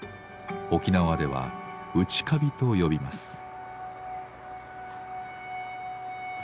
沖縄では「打ち紙」と呼びます。